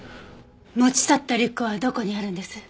持ち去ったリュックはどこにあるんです？